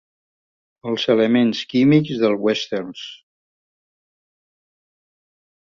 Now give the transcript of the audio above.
Els elements químics dels westerns.